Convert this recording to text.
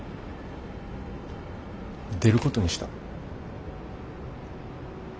出ることにした。